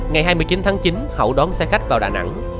ngày hai mươi chín tháng chín hậu đón xe khách vào đà nẵng